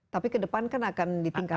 tapi kedepan kan akan ditingkatkan